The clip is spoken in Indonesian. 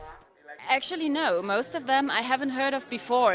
sebenarnya tidak kebanyakan makanan ini saya belum pernah dengar